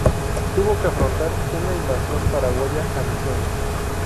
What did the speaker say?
Tuvo que afrontar una invasión paraguaya a Misiones.